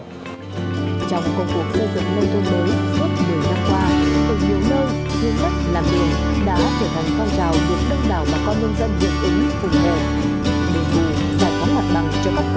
trong cuộc cuộc cơ dụng nông thôn mới suốt đời năm qua